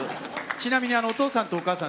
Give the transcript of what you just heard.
ちなみにあのお父さんとお母さん